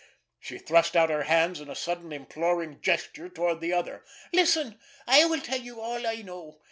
She thrust out her hands in a sudden imploring gesture toward the other. "Listen! I will tell you all I know.